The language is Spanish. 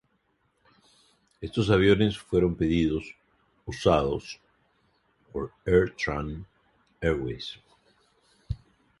Estos aviones fueron pedidos usados por AirTran Airways.